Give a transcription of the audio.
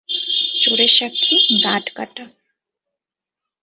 চোরের সাক্ষী গাঁটকাটা।